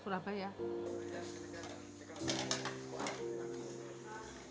harus ada vaiers yang di sini